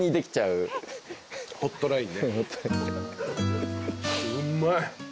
うまい。